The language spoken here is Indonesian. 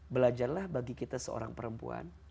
belajarlah bagi kita seorang perempuan